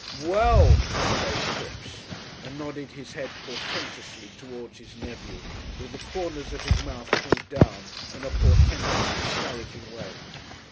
"Well," said Old Kipps, and nodded his head portentously towards his nephew, with the corners of his mouth pulled down in a portentous, discouraging way.